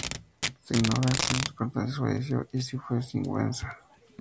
Se ignora en que circunstancias falleció y si fue en Sigüenza.